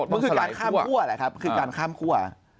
มันคือการข้ามคั่วแหละครับคือการข้ามคั่ว